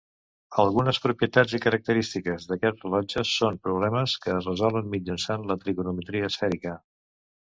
Algunes propietats i característiques d'aquests rellotges són problemes que es resolen mitjançant la trigonometria esfèrica.